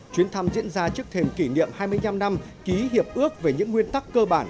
chuyến thăm diễn ra trước thềm kỷ niệm hai mươi năm năm ký hiệp ước về những nguyên tắc cơ bản